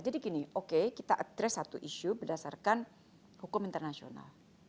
jadi gini kita menjawab satu isu berdasarkan hukum internasional